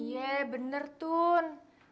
iya bener tun